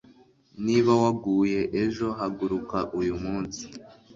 niba waguye ejo, haguruka uyu munsi